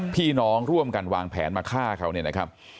พี่น้องร่วมกันวางแผนมาฆ่าเขาเนี่ยนะครับ